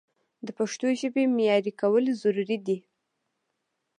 د پښتو ژبې معیاري کول ضروري دي.